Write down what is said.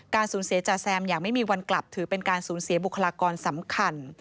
สูญเสียจ่าแซมอย่างไม่มีวันกลับถือเป็นการสูญเสียบุคลากรสำคัญ